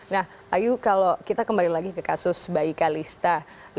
nah ayu kalau kita kembali lagi ke kasus bayi kalista